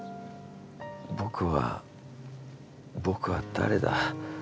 僕は僕は誰だ？